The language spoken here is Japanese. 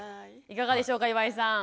いかがでしょうか岩井さん。